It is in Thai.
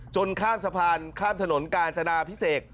ข้ามสะพานข้ามถนนกาญจนาพิเศษ